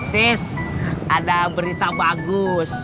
tis ada berita bagus